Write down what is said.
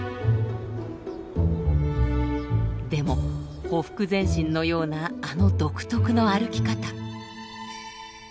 でもほふく前進のようなあの独特の歩き方。